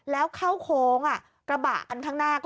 แล้วเข้าโค้งกระบะอันข้างหน้าก็